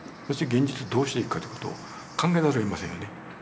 現実どうしていくかという事を考えざるをえませんよね。